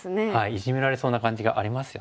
イジメられそうな感じがありますよね。